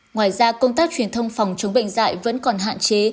ngoài ra công tác truyền thông phòng chống bệnh dạy vẫn còn hạn chế